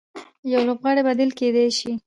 يو لوبغاړی بديل کېدلای سي.